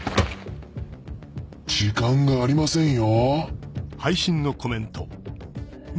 時間がありませんよ？